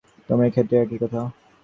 তোমার ক্ষেত্রেও একই কথা যায়।